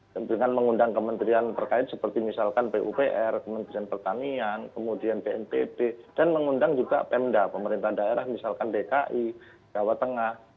dengan mengundang kementerian terkait seperti misalkan pupr kementerian pertanian kemudian bnpb dan mengundang juga pemda pemerintah daerah misalkan dki jawa tengah